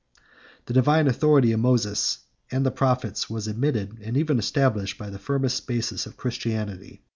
The divine authority of Moses and the prophets was admitted, and even established, as the firmest basis of Christianity.